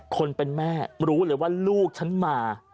คนเป็นแม่รู้เลยว่าลูกฉันมา